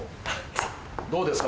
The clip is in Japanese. どうですか？